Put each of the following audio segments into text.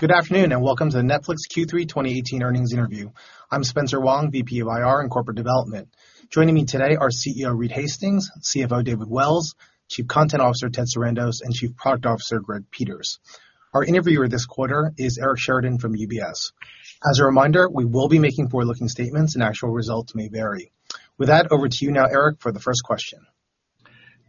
Good afternoon, welcome to the Netflix Q3 2018 earnings interview. I'm Spencer Wang, VP of IR and Corporate Development. Joining me today are CEO Reed Hastings, CFO David Wells, Chief Content Officer Ted Sarandos, and Chief Product Officer Greg Peters. Our interviewer this quarter is Eric Sheridan from UBS. As a reminder, we will be making forward-looking statements and actual results may vary. With that, over to you now, Eric, for the first question.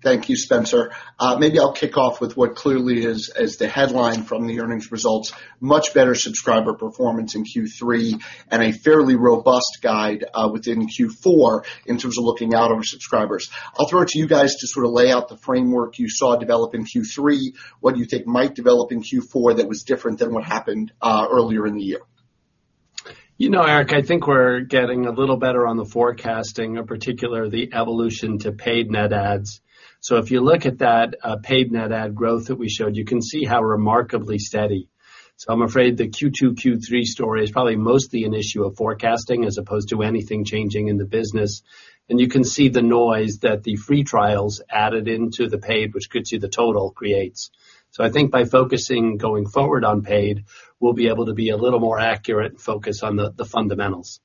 Thank you, Spencer. Maybe I'll kick off with what clearly is the headline from the earnings results, much better subscriber performance in Q3 a fairly robust guide within Q4 in terms of looking out over subscribers. I'll throw it to you guys to sort of lay out the framework you saw develop in Q3, what you think might develop in Q4 that was different than what happened earlier in the year. You know, Eric, I think we're getting a little better on the forecasting, in particular, the evolution to paid net adds. If you look at that paid net add growth that we showed, you can see how remarkably steady. I'm afraid the Q2, Q3 story is probably mostly an issue of forecasting as opposed to anything changing in the business. You can see the noise that the free trials added into the paid, which gets you the total creates. I think by focusing going forward on paid, we'll be able to be a little more accurate and focus on the fundamentals.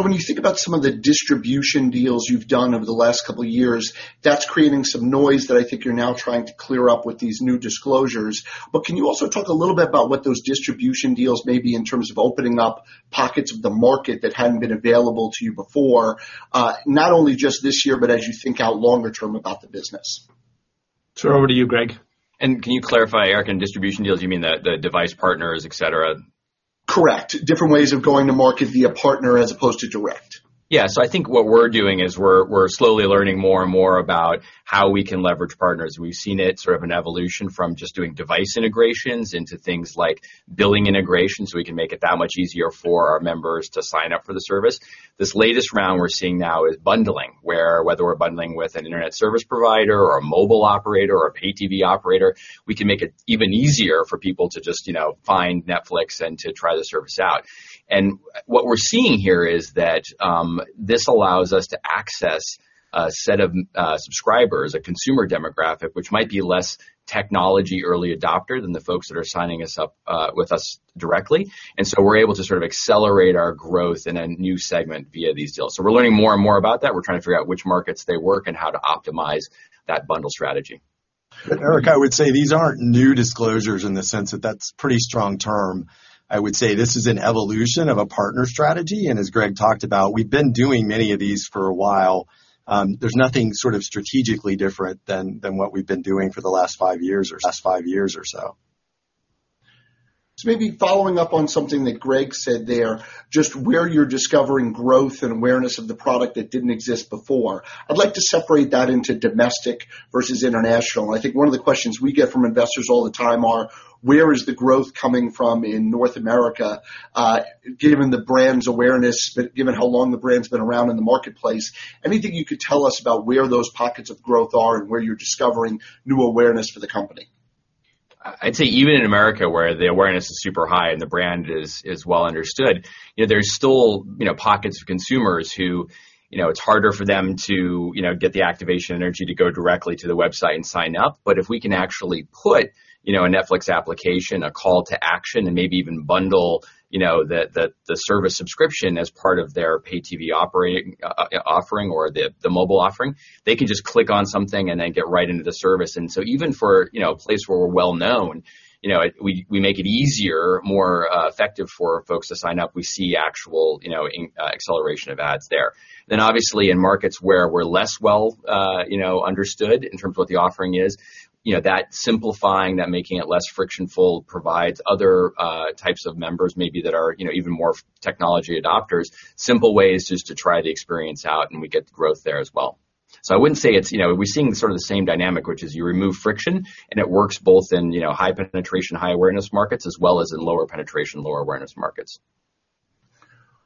When you think about some of the distribution deals you've done over the last couple of years, that's creating some noise that I think you're now trying to clear up with these new disclosures. Can you also talk a little bit about what those distribution deals may be in terms of opening up pockets of the market that hadn't been available to you before not only just this year but as you think out longer term about the business? Throw it over to you, Greg. Can you clarify, Eric, in distribution deals, you mean the device partners, et cetera? Correct. Different ways of going to market via partner as opposed to direct. I think what we're doing is we're slowly learning more and more about how we can leverage partners. We've seen it sort of an evolution from just doing device integrations into things like billing integrations so we can make it that much easier for our members to sign up for the service. This latest round we're seeing now is bundling, where whether we're bundling with an internet service provider or a mobile operator or a pay TV operator, we can make it even easier for people to just find Netflix and to try the service out. What we're seeing here is that this allows us to access a set of subscribers, a consumer demographic, which might be less technology early adopter than the folks that are signing up with us directly. We're able to sort of accelerate our growth in a new segment via these deals. We're learning more and more about that. We're trying to figure out which markets they work and how to optimize that bundle strategy. Eric, I would say these aren't new disclosures in the sense that that's pretty strong term. I would say this is an evolution of a partner strategy, and as Greg talked about, we've been doing many of these for a while. There's nothing sort of strategically different than what we've been doing for the last five years or so. Maybe following up on something that Greg said there, just where you're discovering growth and awareness of the product that didn't exist before. I'd like to separate that into domestic versus international. I think one of the questions we get from investors all the time are, where is the growth coming from in North America given the brand's awareness, given how long the brand's been around in the marketplace? Anything you could tell us about where those pockets of growth are and where you're discovering new awareness for the company? I'd say even in America, where the awareness is super high and the brand is well understood, there's still pockets of consumers who it's harder for them to get the activation energy to go directly to the website and sign up. If we can actually put a Netflix application, a call to action, and maybe even bundle the service subscription as part of their pay TV offering or the mobile offering, they can just click on something and then get right into the service. Even for a place where we're well known, we make it easier, more effective for folks to sign up. We see actual acceleration of ads there. Obviously in markets where we're less well understood in terms of what the offering is, that simplifying, that making it less frictionful provides other types of members maybe that are even more technology adopters, simple ways just to try the experience out and we get growth there as well. I wouldn't say We're seeing the sort of the same dynamic, which is you remove friction, and it works both in high penetration, high awareness markets, as well as in lower penetration, lower awareness markets.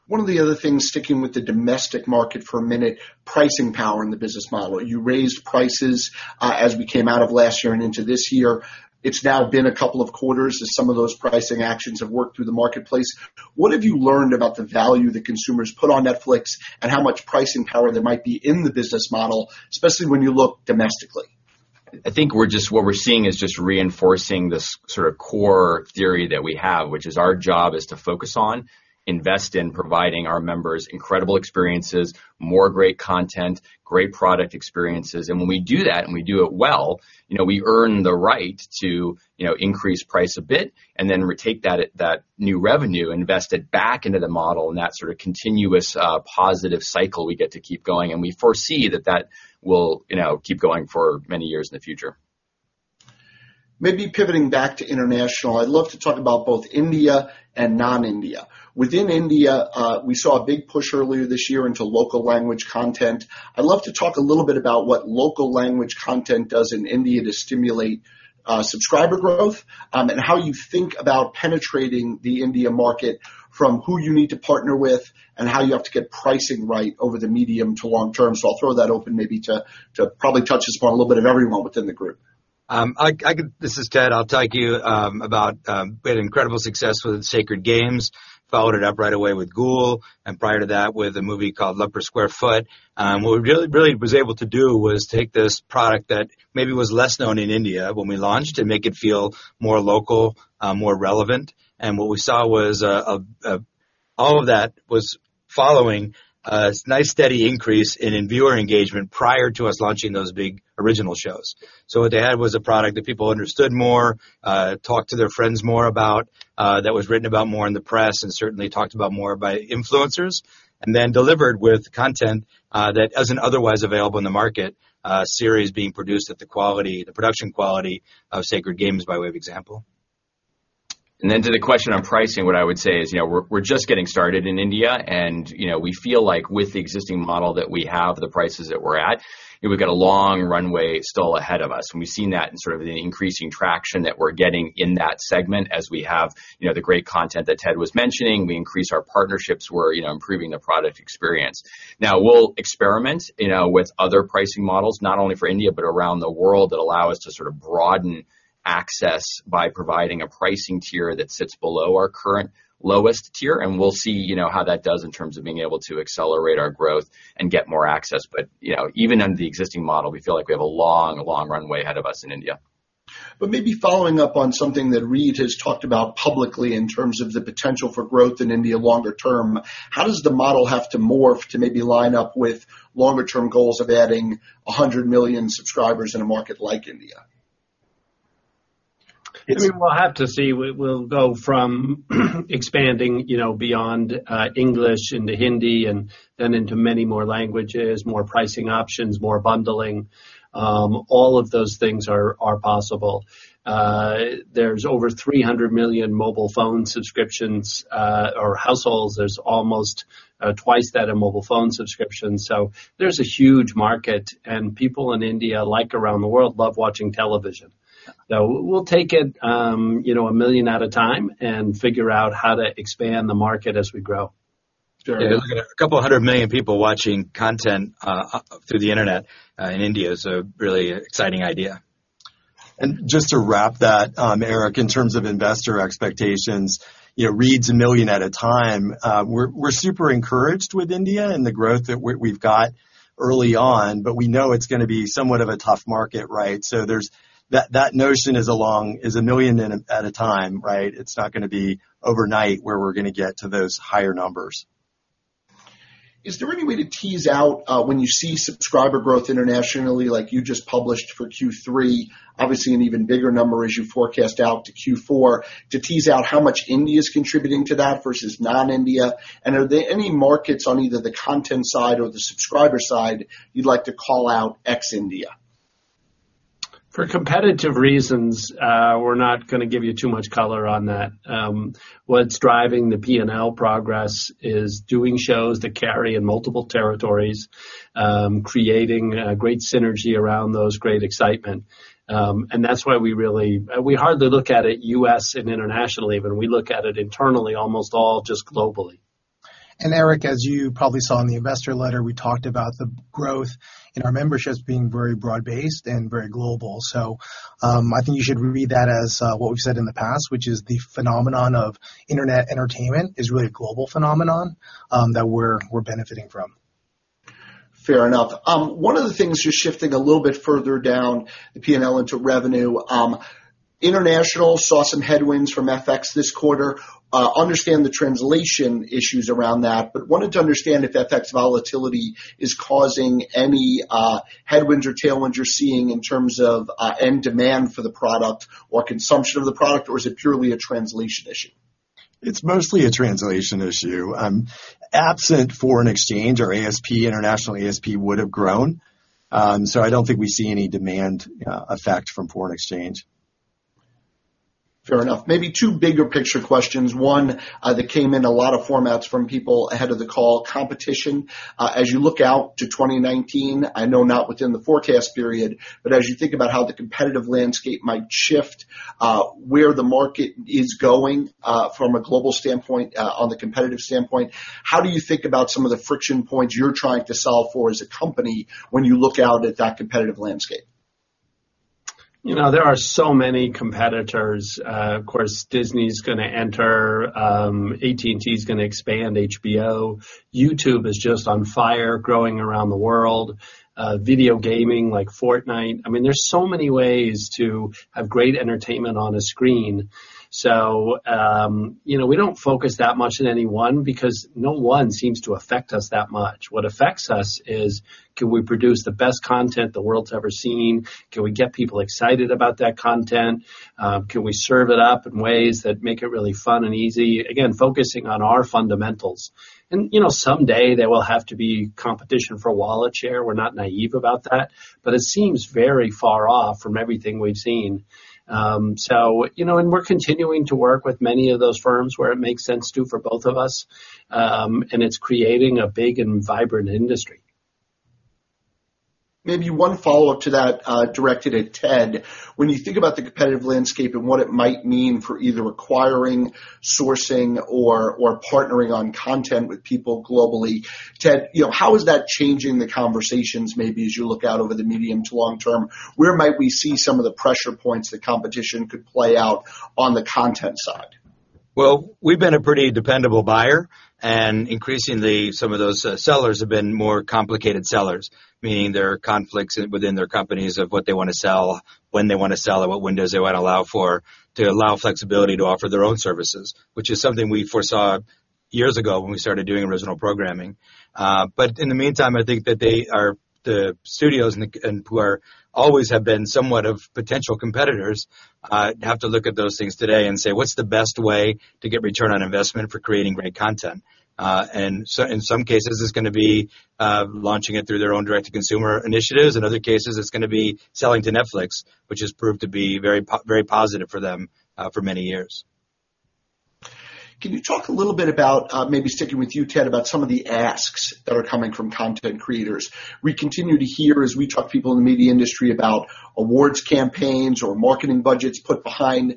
One of the other things, sticking with the domestic market for a minute, pricing power in the business model. You raised prices as we came out of last year and into this year. It's now been a couple of quarters as some of those pricing actions have worked through the marketplace. What have you learned about the value that consumers put on Netflix and how much pricing power there might be in the business model, especially when you look domestically? I think what we're seeing is just reinforcing this sort of core theory that we have, which is our job is to focus on, invest in providing our members incredible experiences, more great content, great product experiences. When we do that and we do it well, we earn the right to increase price a bit and then we take that new revenue, invest it back into the model, and that sort of continuous positive cycle we get to keep going. We foresee that that will keep going for many years in the future. Maybe pivoting back to international, I'd love to talk about both India and non-India. Within India, we saw a big push earlier this year into local language content. I'd love to talk a little bit about what local language content does in India to stimulate subscriber growth and how you think about penetrating the India market from who you need to partner with and how you have to get pricing right over the medium to long term. I'll throw that open maybe to probably touch this point a little bit of everyone within the group. This is Ted. I'll talk to you about we had incredible success with "Sacred Games," followed it up right away with "Ghoul," and prior to that with a movie called "Love Per Square Foot." What we really was able to do was take this product that maybe was less known in India when we launched and make it feel more local, more relevant. What we saw was all of that was following a nice steady increase in viewer engagement prior to us launching those big original shows. What they had was a product that people understood more, talked to their friends more about, that was written about more in the press, and certainly talked about more by influencers, and then delivered with content that isn't otherwise available in the market. A series being produced at the production quality of "Sacred Games" by way of example. Then to the question on pricing, what I would say is we're just getting started in India and we feel like with the existing model that we have, the prices that we're at, we've got a long runway still ahead of us. We've seen that in sort of the increasing traction that we're getting in that segment as we have the great content that Ted was mentioning. We increased our partnerships. We're improving the product experience. Now, we'll experiment with other pricing models, not only for India but around the world, that allow us to sort of broaden access by providing a pricing tier that sits below our current lowest tier, and we'll see how that does in terms of being able to accelerate our growth and get more access. Even under the existing model, we feel like we have a long runway ahead of us in India. Maybe following up on something that Reed has talked about publicly in terms of the potential for growth in India longer term, how does the model have to morph to maybe line up with longer term goals of adding 100 million subscribers in a market like India? I mean, we'll have to see. We'll go from expanding beyond English into Hindi and then into many more languages, more pricing options, more bundling. All of those things are possible. There's over 300 million mobile phone subscriptions or households. There's almost twice that in mobile phone subscriptions. There's a huge market, and people in India, like around the world, love watching television. We'll take it a million at a time and figure out how to expand the market as we grow. Sure. A couple hundred million people watching content through the internet in India is a really exciting idea. Just to wrap that, Eric, in terms of investor expectations, Reed's a million at a time. We're super encouraged with India and the growth that we've got early on, but we know it's going to be somewhat of a tough market, right? That notion is a million in at a time, right? It's not going to be overnight where we're going to get to those higher numbers. Is there any way to tease out when you see subscriber growth internationally like you just published for Q3, obviously an even bigger number as you forecast out to Q4, to tease out how much India is contributing to that versus non-India? Are there any markets on either the content side or the subscriber side you'd like to call out ex-India? For competitive reasons, we're not going to give you too much color on that. What's driving the P&L progress is doing shows that carry in multiple territories, creating great synergy around those, great excitement. That's why we hardly look at it U.S. and internationally, but we look at it internally almost all just globally. Eric, as you probably saw in the investor letter, we talked about the growth in our memberships being very broad-based and very global. I think you should read that as what we've said in the past, which is the phenomenon of internet entertainment is really a global phenomenon that we're benefiting from. Fair enough. One of the things, just shifting a little bit further down the P&L into revenue. International saw some headwinds from FX this quarter. Wanted to understand if FX volatility is causing any headwinds or tailwinds you're seeing in terms of end demand for the product or consumption of the product, or is it purely a translation issue? It's mostly a translation issue. Absent foreign exchange or ASP, international ASP would've grown. I don't think we see any demand effect from foreign exchange. Fair enough. Maybe two bigger picture questions. One that came in a lot of formats from people ahead of the call, competition. As you look out to 2019, I know not within the forecast period, but as you think about how the competitive landscape might shift, where the market is going from a global standpoint on the competitive standpoint, how do you think about some of the friction points you're trying to solve for as a company when you look out at that competitive landscape? There are so many competitors. Of course, Disney's going to enter. AT&T's going to expand HBO. YouTube is just on fire, growing around the world. Video gaming like Fortnite. I mean, there's so many ways to have great entertainment on a screen. We don't focus that much on any one because no one seems to affect us that much. What affects us is can we produce the best content the world's ever seen? Can we get people excited about that content? Can we serve it up in ways that make it really fun and easy? Again, focusing on our fundamentals. Someday there will have to be competition for wallet share. We're not naive about that, but it seems very far off from everything we've seen. We're continuing to work with many of those firms where it makes sense to for both of us, and it's creating a big and vibrant industry. Maybe one follow-up to that directed at Ted. When you think about the competitive landscape and what it might mean for either acquiring, sourcing, or partnering on content with people globally, Ted, how is that changing the conversations maybe as you look out over the medium to long term? Where might we see some of the pressure points that competition could play out on the content side? Well, we've been a pretty dependable buyer, and increasingly some of those sellers have been more complicated sellers, meaning there are conflicts within their companies of what they want to sell, when they want to sell it, what windows they want to allow for to allow flexibility to offer their own services, which is something we foresaw years ago when we started doing original programming. In the meantime, I think that the studios who always have been somewhat of potential competitors, have to look at those things today and say: "What's the best way to get return on investment for creating great content?" In some cases, it's going to be launching it through their own direct-to-consumer initiatives. In other cases, it's going to be selling to Netflix, which has proved to be very positive for them for many years. Can you talk a little bit about, maybe sticking with you, Ted, about some of the asks that are coming from content creators. We continue to hear as we talk to people in the media industry about awards campaigns or marketing budgets put behind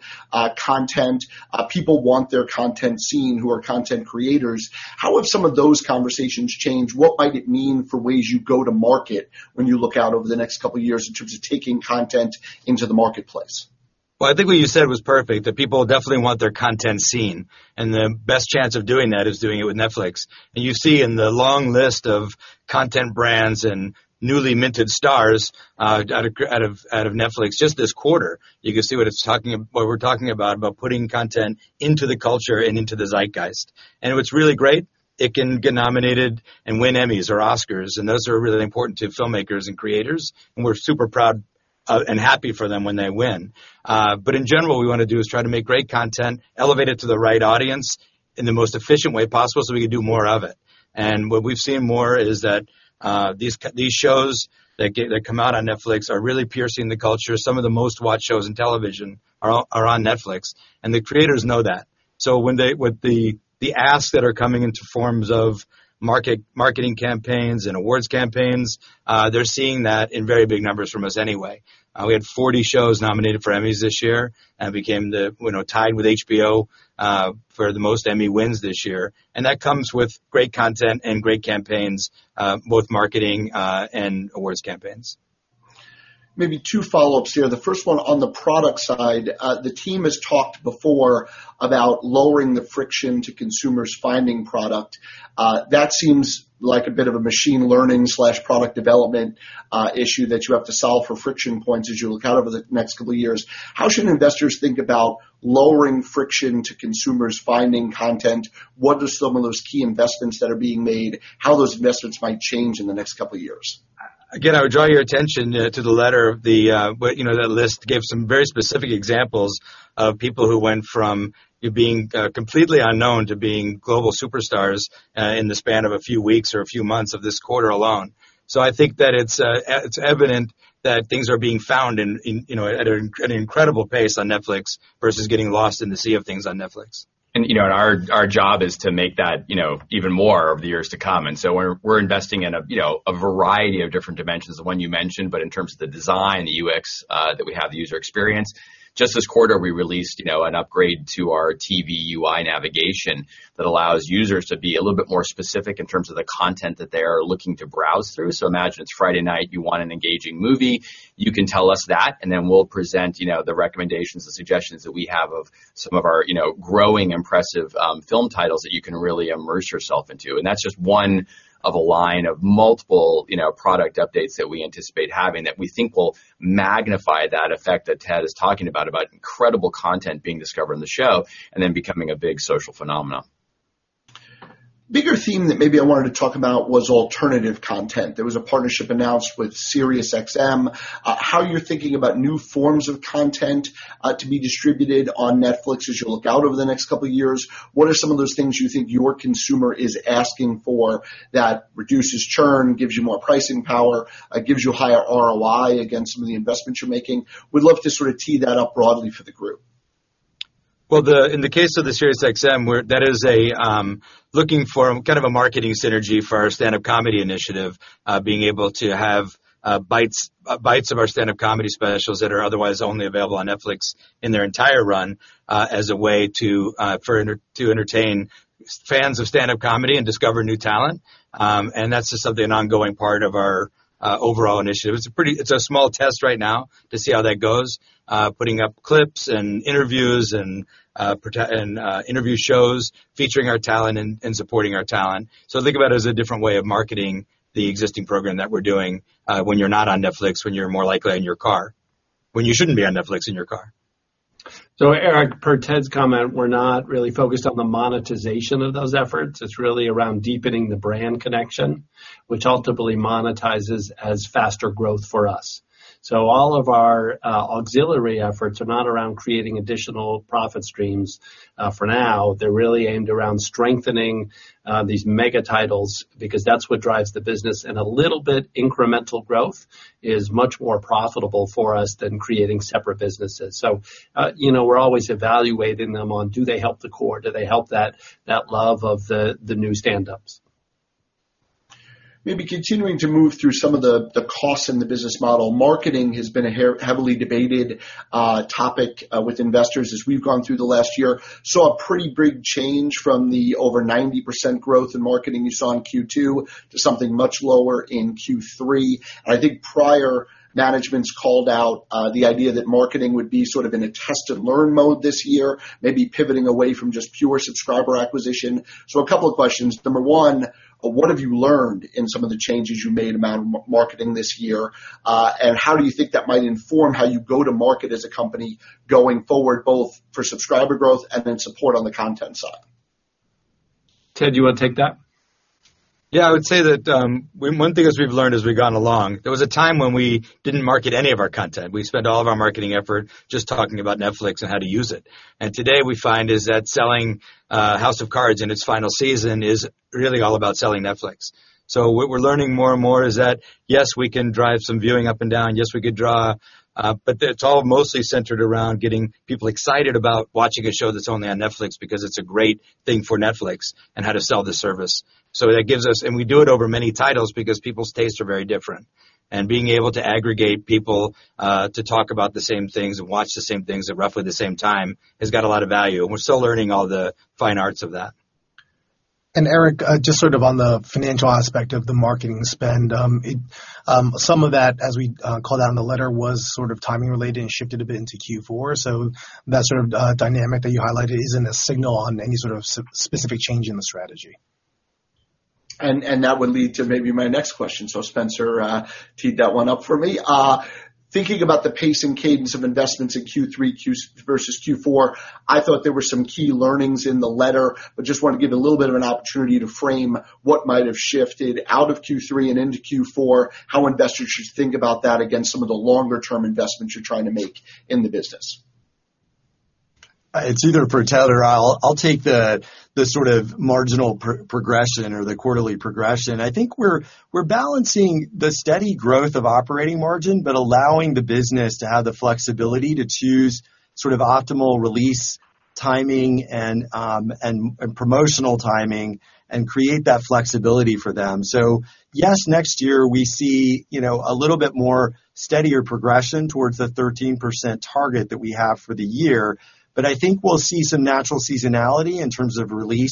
content. People want their content seen who are content creators. How have some of those conversations changed? What might it mean for ways you go to market when you look out over the next couple of years in terms of taking content into the marketplace? Well, I think what you said was perfect, that people definitely want their content seen, the best chance of doing that is doing it with Netflix. You see in the long list of content brands and newly minted stars out of Netflix just this quarter, you can see what we're talking about putting content into the culture and into the zeitgeist. What's really great, it can get nominated and win Emmys or Oscars, those are really important to filmmakers and creators, we're super proud and happy for them when they win. In general, what we want to do is try to make great content, elevate it to the right audience in the most efficient way possible so we can do more of it. What we've seen more is that these shows that come out on Netflix are really piercing the culture. Some of the most watched shows on television are on Netflix, the creators know that. With the asks that are coming into forms of marketing campaigns and awards campaigns, they're seeing that in very big numbers from us anyway. We had 40 shows nominated for Emmys this year and tied with HBO for the most Emmy wins this year. That comes with great content and great campaigns, both marketing and awards campaigns. Maybe two follow-ups here. The first one on the product side. The team has talked before about lowering the friction to consumers finding product. That seems like a bit of a machine learning/product development issue that you have to solve for friction points as you look out over the next couple of years. How should investors think about lowering friction to consumers finding content? What are some of those key investments that are being made? How those investments might change in the next couple of years? I would draw your attention to the letter. That list gave some very specific examples of people who went from being completely unknown to being global superstars in the span of a few weeks or a few months of this quarter alone. I think that it's evident that things are being found at an incredible pace on Netflix versus getting lost in the sea of things on Netflix. Our job is to make that even more over the years to come. We're investing in a variety of different dimensions of one you mentioned, but in terms of the design, the UX that we have, the user experience. Just this quarter, we released an upgrade to our TV UI navigation that allows users to be a little bit more specific in terms of the content that they are looking to browse through. Imagine it's Friday night, you want an engaging movie, you can tell us that, and then we'll present the recommendations, the suggestions that we have of some of our growing impressive film titles that you can really immerse yourself into. That's just one of a line of multiple product updates that we anticipate having that we think will magnify that effect that Ted is talking about incredible content being discovered in the show and then becoming a big social phenomenon. Bigger theme that maybe I wanted to talk about was alternative content. There was a partnership announced with SiriusXM. How you're thinking about new forms of content to be distributed on Netflix as you look out over the next couple of years. What are some of those things you think your consumer is asking for that reduces churn, gives you more pricing power, gives you a higher ROI against some of the investments you're making? Would love to sort of tee that up broadly for the group. Well, in the case of the SiriusXM, that is looking for a marketing synergy for our stand-up comedy initiative, being able to have bites of our stand-up comedy specials that are otherwise only available on Netflix in their entire run as a way to entertain fans of stand-up comedy and discover new talent, and that's just something, an ongoing part of our overall initiative. It's a small test right now to see how that goes, putting up clips and interviews, and interview shows featuring our talent and supporting our talent. Think about it as a different way of marketing the existing program that we're doing when you're not on Netflix, when you're more likely in your car, when you shouldn't be on Netflix in your car. Eric, per Ted's comment, we're not really focused on the monetization of those efforts. It's really around deepening the brand connection, which ultimately monetizes as faster growth for us. All of our auxiliary efforts are not around creating additional profit streams for now. They're really aimed around strengthening these mega titles because that's what drives the business, and a little bit incremental growth is much more profitable for us than creating separate businesses. We're always evaluating them on do they help the core, do they help that love of the new stand-ups? Maybe continuing to move through some of the costs in the business model. Marketing has been a heavily debated topic with investors as we've gone through the last year. Saw a pretty big change from the over 90% growth in marketing you saw in Q2 to something much lower in Q3. I think prior managements called out the idea that marketing would be sort of in a test and learn mode this year, maybe pivoting away from just pure subscriber acquisition. A couple of questions. Number one, what have you learned in some of the changes you made around marketing this year? How do you think that might inform how you go to market as a company going forward, both for subscriber growth and then support on the content side? Ted, you want to take that? Yeah, I would say that, one thing as we've learned as we've gone along, there was a time when we didn't market any of our content. We spent all of our marketing effort just talking about Netflix and how to use it. Today we find is that selling "House of Cards" in its final season is really all about selling Netflix. What we're learning more and more is that, yes, we can drive some viewing up and down, yes, we could draw. It's all mostly centered around getting people excited about watching a show that's only on Netflix because it's a great thing for Netflix and how to sell the service. That gives us. We do it over many titles because people's tastes are very different. Being able to aggregate people to talk about the same things and watch the same things at roughly the same time has got a lot of value, and we're still learning all the fine arts of that. Eric, just sort of on the financial aspect of the marketing spend. Some of that, as we called out in the letter, was sort of timing related and shifted a bit into Q4. That sort of dynamic that you highlighted isn't a signal on any sort of specific change in the strategy. That would lead to maybe my next question. Spencer teed that one up for me. Thinking about the pace and cadence of investments in Q3 versus Q4, I thought there were some key learnings in the letter. Just want to give a little bit of an opportunity to frame what might have shifted out of Q3 and into Q4, how investors should think about that against some of the longer-term investments you're trying to make in the business. It's either for Ted or I. I'll take the sort of marginal progression or the quarterly progression. I think we're balancing the steady growth of operating margin, allowing the business to have the flexibility to choose sort of optimal release timing and promotional timing and create that flexibility for them. Yes, next year we see a little bit more steadier progression towards the 13% target that we have for the year. I think we'll see some natural seasonality in terms of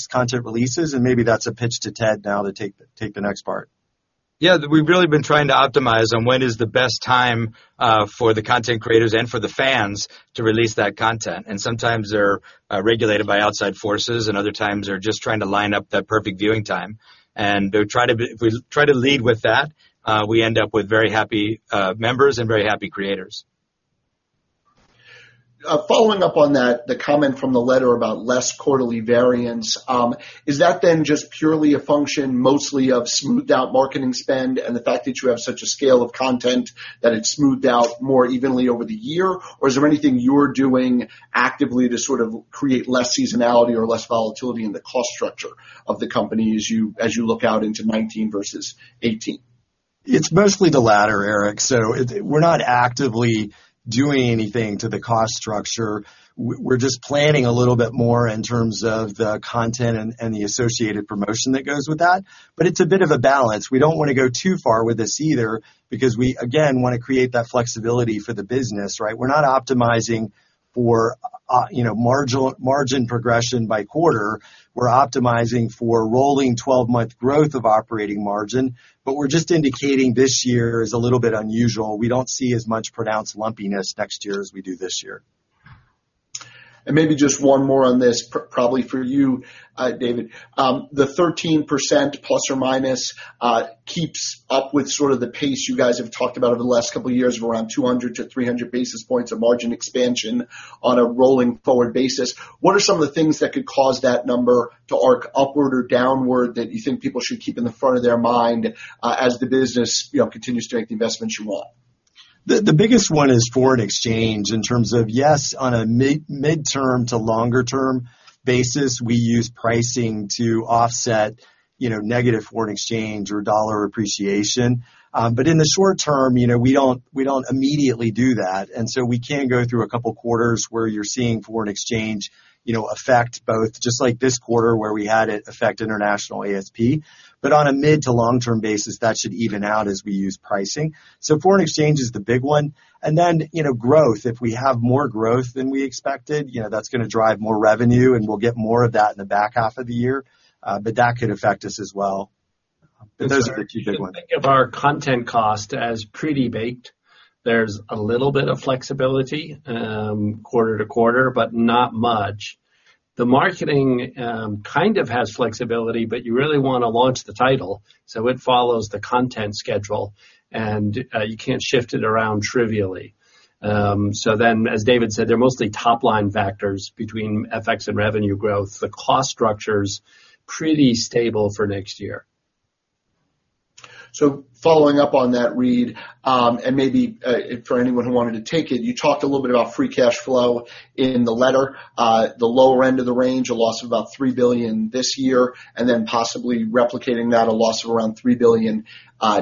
content releases, and maybe that's a pitch to Ted now to take the next part. We've really been trying to optimize on when is the best time for the content creators and for the fans to release that content. Sometimes they're regulated by outside forces, and other times they're just trying to line up that perfect viewing time. If we try to lead with that, we end up with very happy members and very happy creators. Following up on that, the comment from the letter about less quarterly variance. Is that then just purely a function mostly of smoothed out marketing spend and the fact that you have such a scale of content that it's smoothed out more evenly over the year? Or is there anything you're doing actively to sort of create less seasonality or less volatility in the cost structure of the company as you look out into 2019 versus 2018? It's mostly the latter, Eric. We're not actively doing anything to the cost structure. We're just planning a little bit more in terms of the content and the associated promotion that goes with that. It's a bit of a balance. We don't want to go too far with this either, because we, again, want to create that flexibility for the business, right? We're not optimizing for margin progression by quarter. We're optimizing for rolling 12-month growth of operating margin, we're just indicating this year is a little bit unusual. We don't see as much pronounced lumpiness next year as we do this year. Maybe just one more on this, probably for you, David. The 13% ± keeps up with sort of the pace you guys have talked about over the last couple of years of around 200-300 basis points of margin expansion on a rolling forward basis. What are some of the things that could cause that number to arc upward or downward that you think people should keep in the front of their mind as the business continues to make the investments you want? The biggest one is foreign exchange in terms of, yes, on a mid- to longer-term basis, we use pricing to offset negative foreign exchange or dollar appreciation. In the short term, we don't immediately do that, and so we can go through a couple of quarters where you're seeing foreign exchange effect both just like this quarter where we had it affect international ASP, but on a mid- to long-term basis, that should even out as we use pricing. Foreign exchange is the big one. Then growth. If we have more growth than we expected, that's going to drive more revenue and we'll get more of that in the back half of the year. That could affect us as well. Those are the two big ones. If our content cost as pretty baked, there's a little bit of flexibility quarter-to-quarter, but not much. The marketing kind of has flexibility, but you really want to launch the title, so it follows the content schedule and you can't shift it around trivially. As David said, they're mostly top-line factors between FX and revenue growth. The cost structure's pretty stable for next year. Following up on that, Reed, and maybe for anyone who wanted to take it, you talked a little bit about free cash flow in the letter. The lower end of the range, a loss of about $3 billion this year, and then possibly replicating that, a loss of around $3 billion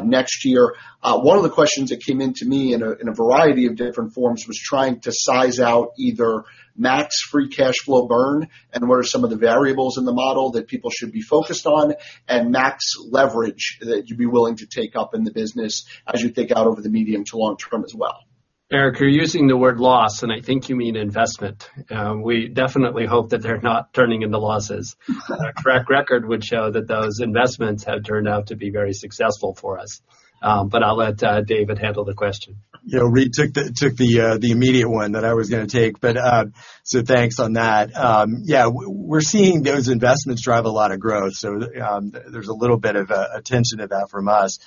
next year. One of the questions that came into me in a variety of different forms was trying to size out either max free cash flow burn and what are some of the variables in the model that people should be focused on, and max leverage that you'd be willing to take up in the business as you think out over the medium- to long-term as well. Eric, you're using the word loss, and I think you mean investment. We definitely hope that they're not turning into losses. Our track record would show that those investments have turned out to be very successful for us. I'll let David handle the question. Reed took the immediate one that I was going to take, so thanks on that. Yeah. There's a little bit of attention to that from us.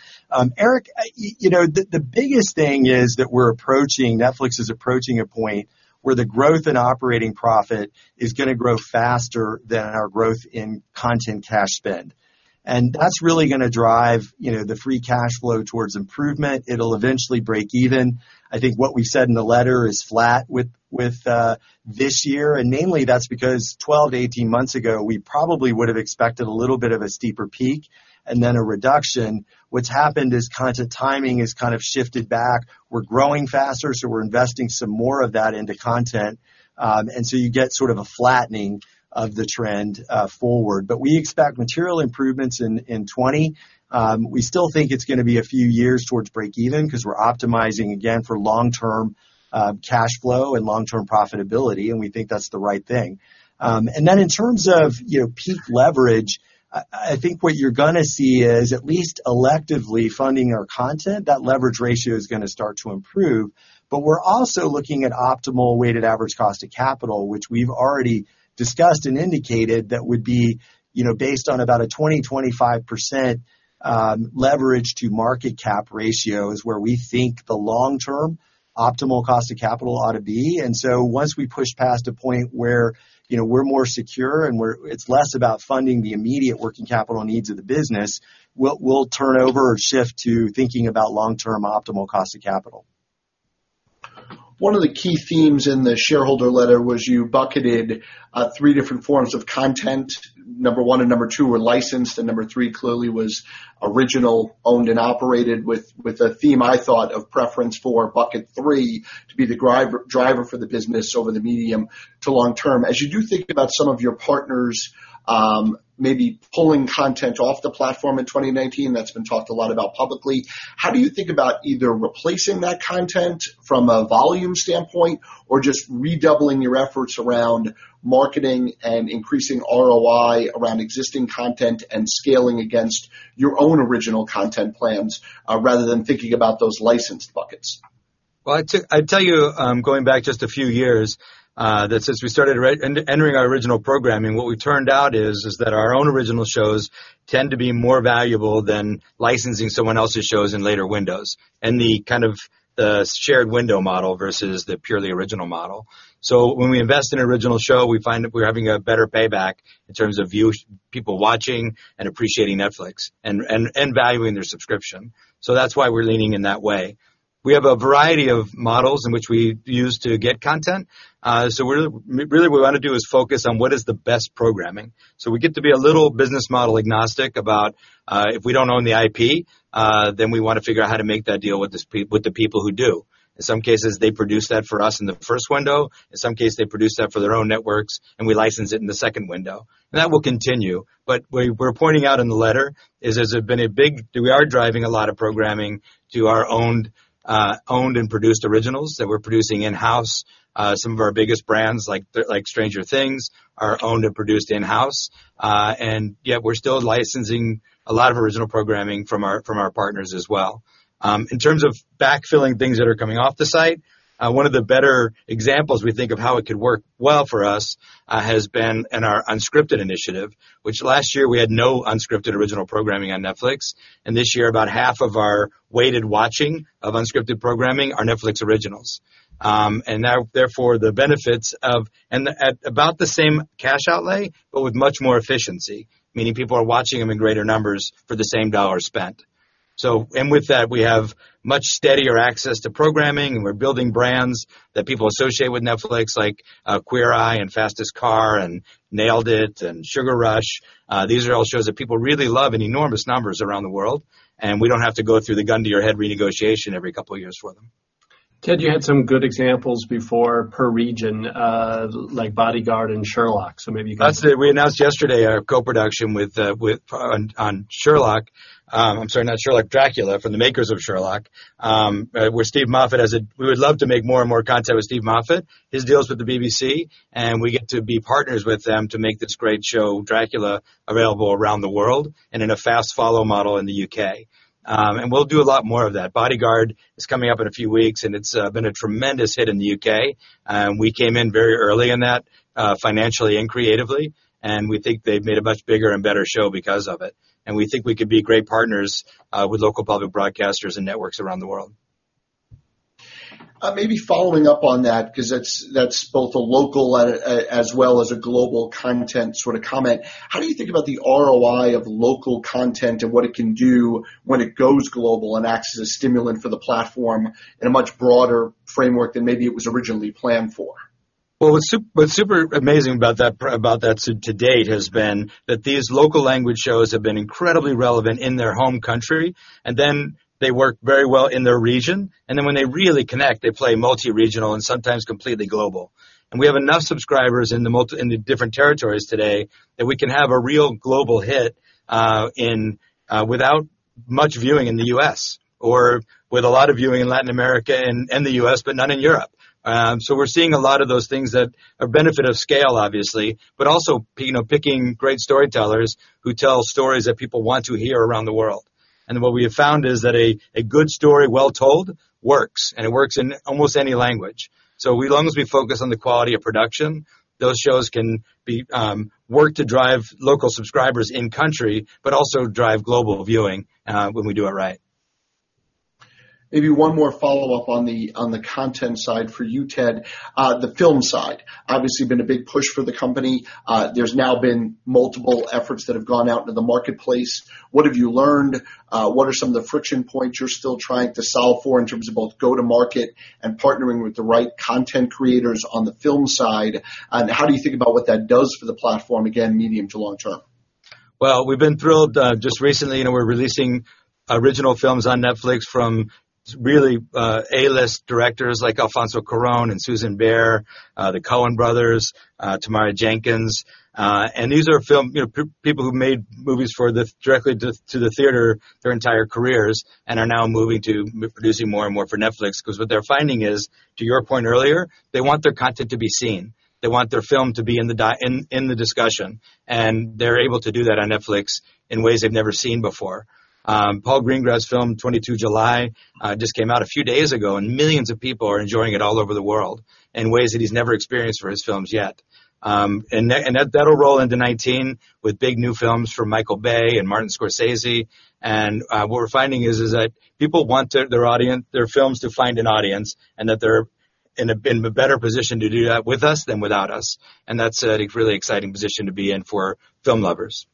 Eric, the biggest thing is that Netflix is approaching a point where the growth in operating profit is going to grow faster than our growth in content cash spend. That's really going to drive the free cash flow towards improvement. It'll eventually break even. I think what we said in the letter is flat with this year, and namely, that's because 12 to 18 months ago, we probably would've expected a little bit of a steeper peak and then a reduction. What's happened is content timing has kind of shifted back. We're growing faster, so we're investing some more of that into content. You get sort of a flattening of the trend forward. We expect material improvements in 2020. We still think it's going to be a few years towards break even because we're optimizing, again, for long-term cash flow and long-term profitability, and we think that's the right thing. Then in terms of peak leverage, I think what you're going to see is at least electively funding our content, that leverage ratio is going to start to improve. We're also looking at optimal weighted average cost of capital, which we've already discussed and indicated that would be based on about a 20%, 25% leverage to market cap ratio is where we think the long-term optimal cost of capital ought to be. Once we push past a point where we're more secure and it's less about funding the immediate working capital needs of the business, we'll turn over or shift to thinking about long-term optimal cost of capital. One of the key themes in the shareholder letter was you bucketed three different forms of content. Number one and number two were licensed, and number three clearly was original, owned, and operated with a theme, I thought, of preference for bucket three to be the driver for the business over the medium to long term. As you do think about some of your partners maybe pulling content off the platform in 2019, that's been talked a lot about publicly, how do you think about either replacing that content from a volume standpoint or just redoubling your efforts around marketing and increasing ROI around existing content and scaling against your own original content plans, rather than thinking about those licensed buckets? I'd tell you, going back just a few years, that since we started entering our original programming, what we turned out is that our own original shows tend to be more valuable than licensing someone else's shows in later windows, and the kind of shared window model versus the purely original model. When we invest in an original show, we find that we're having a better payback in terms of people watching and appreciating Netflix and valuing their subscription. That's why we're leaning in that way. We have a variety of models in which we use to get content. Really what we want to do is focus on what is the best programming. We get to be a little business model agnostic about, if we don't own the IP, then we want to figure out how to make that deal with the people who do. In some cases, they produce that for us in the first window. In some case, they produce that for their own networks, and we license it in the second window. That will continue. What we're pointing out in the letter is we are driving a lot of programming to our owned and produced originals that we're producing in-house. Some of our biggest brands, like "Stranger Things," are owned and produced in-house. Yet we're still licensing a lot of original programming from our partners as well. In terms of backfilling things that are coming off the site, one of the better examples we think of how it could work well for us has been in our unscripted initiative, which last year we had no unscripted original programming on Netflix. This year, about half of our weighted watching of unscripted programming are Netflix originals. Therefore, the benefits of-- at about the same cash outlay, but with much more efficiency, meaning people are watching them in greater numbers for the same dollar spent. With that, we have much steadier access to programming, and we're building brands that people associate with Netflix, like "Queer Eye" and "Fastest Car" and "Nailed It!" and "Sugar Rush." These are all shows that people really love in enormous numbers around the world, and we don't have to go through the gun-to-your-head renegotiation every couple of years for them. Ted, you had some good examples before per region, like "Bodyguard" and "Sherlock," maybe you can. We announced yesterday our co-production on "Sherlock." I'm sorry, not "Sherlock," "Dracula," from the makers of "Sherlock" with Steven Moffat. We would love to make more and more content with Steven Moffat, his deals with the BBC, we get to be partners with them to make this great show, "Dracula," available around the world and in a fast follow model in the U.K. We'll do a lot more of that. "Bodyguard" is coming up in a few weeks, and it's been a tremendous hit in the U.K. We came in very early in that, financially and creatively, we think they've made a much bigger and better show because of it. We think we could be great partners with local public broadcasters and networks around the world. Maybe following up on that because that's both a local as well as a global content sort of comment, how do you think about the ROI of local content and what it can do when it goes global and acts as a stimulant for the platform in a much broader framework than maybe it was originally planned for? Well, what's super amazing about that to date has been that these local language shows have been incredibly relevant in their home country, then they work very well in their region. When they really connect, they play multi-regional and sometimes completely global. We have enough subscribers in the different territories today that we can have a real global hit without much viewing in the U.S., or with a lot of viewing in Latin America and the U.S., but none in Europe. We're seeing a lot of those things that are benefit of scale, obviously, but also picking great storytellers who tell stories that people want to hear around the world. What we have found is that a good story well told works, and it works in almost any language. As long as we focus on the quality of production, those shows can work to drive local subscribers in country, but also drive global viewing when we do it right. Maybe one more follow-up on the content side for you, Ted. The film side obviously been a big push for the company. There's now been multiple efforts that have gone out into the marketplace. What have you learned? What are some of the friction points you're still trying to solve for in terms of both go-to-market and partnering with the right content creators on the film side? How do you think about what that does for the platform, again, medium to long term? Well, we've been thrilled. Just recently, we're releasing original films on Netflix from really A-list directors like Alfonso Cuarón and Susanne Bier, the Coen brothers, Tamara Jenkins. Because what they're finding is, to your point earlier, they want their content to be seen. They want their film to be in the discussion, and they're able to do that on Netflix in ways they've never seen before. Paul Greengrass' film, "22 July," just came out a few days ago, and millions of people are enjoying it all over the world in ways that he's never experienced for his films yet. That'll roll into 2019 with big new films from Michael Bay and Martin Scorsese. What we're finding is that people want their films to find an audience, and that they're in a better position to do that with us than without us. That's a really exciting position to be in for film lovers.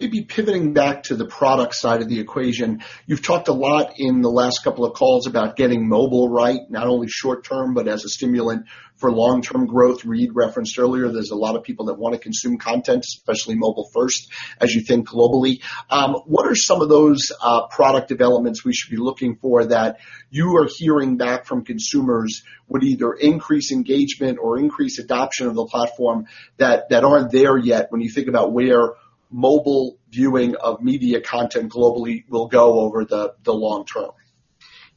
Pivoting back to the product side of the equation. You've talked a lot in the last couple of calls about getting mobile right, not only short term, but as a stimulant for long-term growth. Reed referenced earlier there's a lot of people that want to consume content, especially mobile first, as you think globally. What are some of those product developments we should be looking for that you are hearing back from consumers would either increase engagement or increase adoption of the platform that aren't there yet when you think about where mobile viewing of media content globally will go over the long term?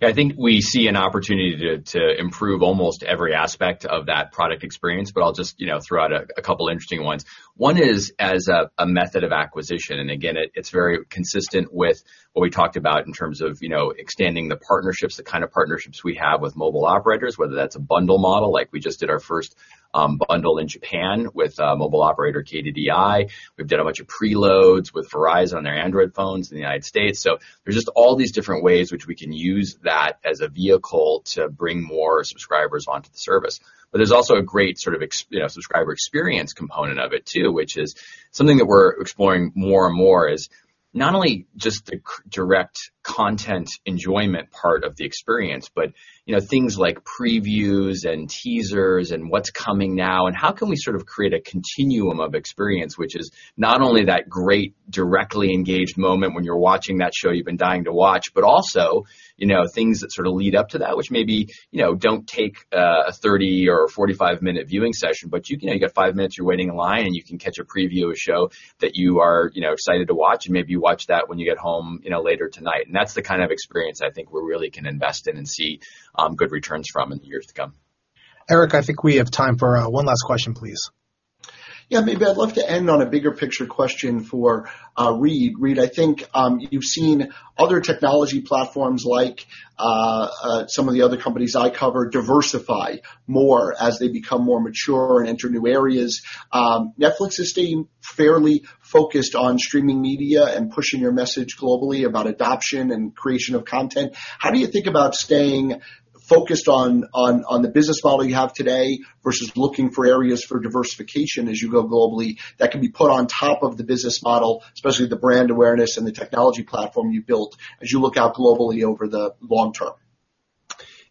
I think we see an opportunity to improve almost every aspect of that product experience, I'll just throw out a couple interesting ones. One is as a method of acquisition. Again, it's very consistent with what we talked about in terms of extending the partnerships, the kind of partnerships we have with mobile operators, whether that's a bundle model like we just did our first bundle in Japan with a mobile operator, KDDI. We've done a bunch of preloads with Verizon on their Android phones in the U.S. There's just all these different ways which we can use that as a vehicle to bring more subscribers onto the service. There's also a great sort of subscriber experience component of it too, which is something that we're exploring more and more is not only just the direct content enjoyment part of the experience, but things like previews and teasers and what's coming now, how can we sort of create a continuum of experience, which is not only that great directly engaged moment when you're watching that show you've been dying to watch, but also things that sort of lead up to that, which maybe don't take a 30 or a 45-minute viewing session, but you got five minutes, you're waiting in line, you can catch a preview of a show that you are excited to watch, maybe you watch that when you get home later tonight. That's the kind of experience I think we really can invest in and see good returns from in the years to come. Eric, I think we have time for one last question, please. Yeah. Maybe I'd love to end on a bigger picture question for Reed. Reed, I think you've seen other technology platforms like some of the other companies I cover diversify more as they become more mature and enter new areas. Netflix is staying fairly focused on streaming media and pushing your message globally about adoption and creation of content. How do you think about staying focused on the business model you have today versus looking for areas for diversification as you go globally that can be put on top of the business model, especially the brand awareness and the technology platform you built as you look out globally over the long term?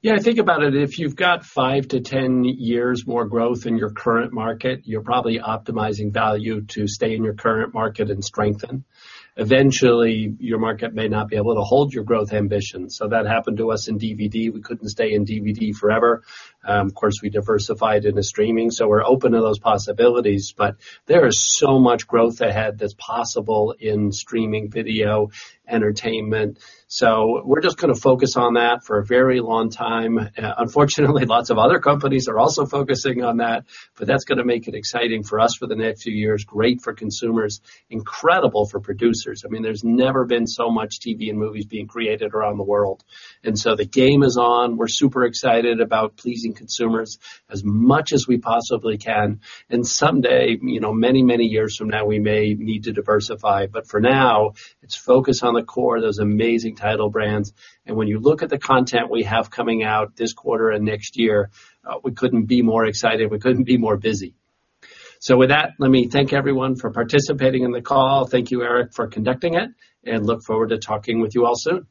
Yeah. I think about it, if you've got five to 10 years more growth in your current market, you're probably optimizing value to stay in your current market and strengthen. Eventually, your market may not be able to hold your growth ambition. That happened to us in DVD. We couldn't stay in DVD forever. Of course, we diversified into streaming, so we're open to those possibilities. There is so much growth ahead that's possible in streaming video entertainment. We're just going to focus on that for a very long time. Unfortunately, lots of other companies are also focusing on that, but that's going to make it exciting for us for the next few years. Great for consumers, incredible for producers. I mean, there's never been so much TV and movies being created around the world. The game is on. We're super excited about pleasing consumers as much as we possibly can. Someday, many years from now, we may need to diversify. For now, it's focus on the core, those amazing title brands. When you look at the content we have coming out this quarter and next year, we couldn't be more excited. We couldn't be more busy. With that, let me thank everyone for participating in the call. Thank you, Eric, for conducting it, and look forward to talking with you all soon.